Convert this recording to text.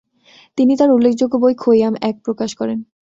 তিনি তার উল্লেখযোগ্য বই খৈয়াম এক প্রকাশ করেন।